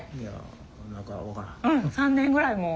３年ぐらい。